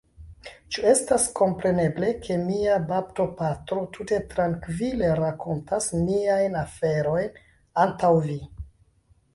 Ĉu estas kompreneble, ke mia baptopatro tute trankvile rakontas niajn aferojn antaŭ vi?